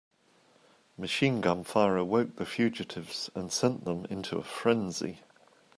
Machine gun fire awoke the fugitives and sent them into a frenzy.